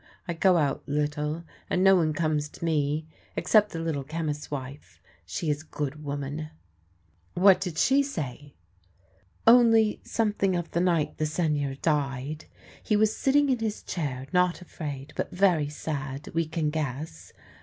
I go out little, and no one comes to me except the Little Chemist's wife — she is a good woman." "What did she say?" " Only something of the night the Seigneur died. He was sitting in his chair, not afraid, but very sad, we can guess.